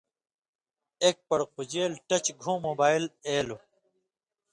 اېک پڑقُژېل ٹچ گُھوں موبائل ایلوۡ۔